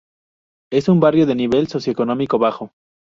Es un barrio de nivel socioeconómico bajo.